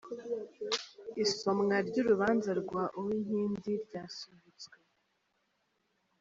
Isomwa ry’urubanza rwa Uwinkindi ryasubitswe